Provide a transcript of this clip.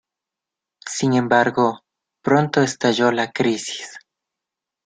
Sin embargo, pronto estalló la crisis.